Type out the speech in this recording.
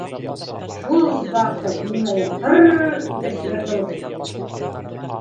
Шул ваҡыт нимәлер пыр-р-р итеп йыртылып китте.